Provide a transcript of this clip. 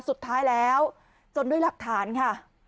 สุดท้ายแล้วจนด้วยหลักฐานค่ะ